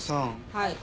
はい。